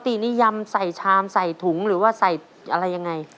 ตินิยำใส่ชามใส่ถุงหรือว่าใส่อะไรยังไง